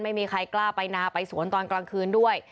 ไม่มีใครกล้าไปนาไปสวนตอนกลางคืนด้วย